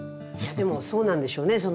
でもそうなんでしょうね。